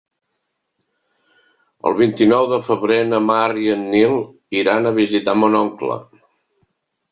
El vint-i-nou de febrer na Mar i en Nil iran a visitar mon oncle.